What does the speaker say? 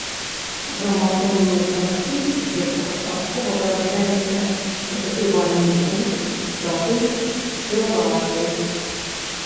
Грамафонныя пласцінкі першапачаткова вырабляліся з эбаніту, затым з шэлаку.